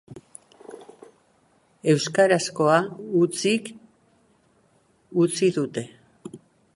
Euskarazkoa hutsik utzi dute.